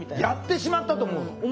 「やってしまった」と思うの？